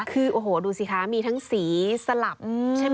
คือโอ้โหดูสิคะมีทั้งสีสลับใช่ไหม